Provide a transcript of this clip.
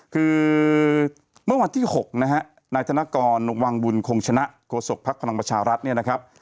คือเมื่อวันที่๖นะฮะนายธนกรวังบุญคงชนะโฆษกภักดิ์พลังประชารัฐเนี่ยนะครับ